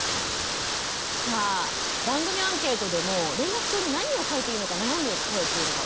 さあ番組アンケートでも連絡帳に何を書いていいのか悩む声っていうのがすごく多かったんですね。